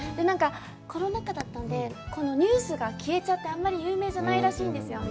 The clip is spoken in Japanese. コロナ禍だったので、このニュースが消えちゃって、あんまり有名じゃないらしいんですよね。